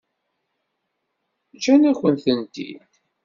Ǧǧan-akent-tent-id.